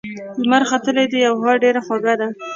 لمر ختلی دی او هوا ډېره خوږه ده.